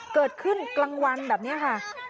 เกิดขึ้นกลางวันแบบนี้ค่ะ